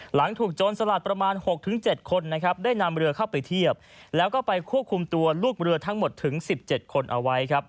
หลังถูกโจรสลัดประมาณ๖๗คนนะครับได้นำเรือเข้าไปเทียบแล้วก็ไปควบคุมตัวลูกเรือทั้งหมดถึง๑๗คนเอาไว้ครับ